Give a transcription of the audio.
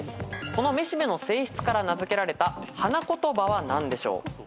このめしべの性質から名付けられた花言葉は何でしょう？